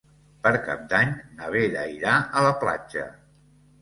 Per Cap d'Any na Vera irà a la platja.